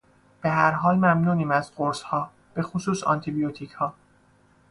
به هر حال ممنونیم از قرصها، بخصوص آنتیبیوتیکها